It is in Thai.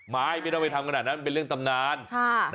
ไม่ต้องไปทำขนาดนั้นเป็นเรื่องตำนาน